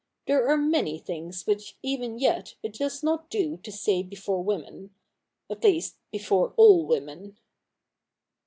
There are many things which even yet it does not do to say before women — at least, before all women.'